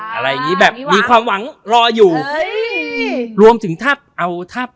อ่าอะไรอย่างงี้แบบมีความหวังรออยู่เอ้ยรวมถึงท่าบเอาท่าบ